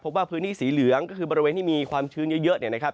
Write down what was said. ว่าพื้นที่สีเหลืองก็คือบริเวณที่มีความชื้นเยอะเนี่ยนะครับ